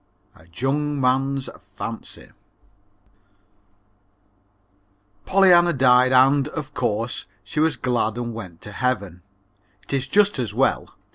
A Jung Man's Fancy Pollyanna died and, of course, she was glad and went to Heaven. It is just as well.